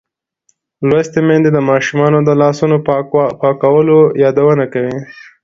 لوستې میندې د ماشومانو د لاسونو پاکولو یادونه کوي.